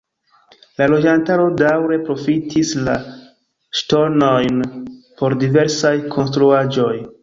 La loĝantaro daŭre profitis la ŝtonojn por diversaj konstruaĵoj.